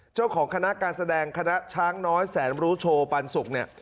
เจ้าของคณะการแสดงคณะช้างน้อยแสนรู้โชว์ปันสุกเนี่ย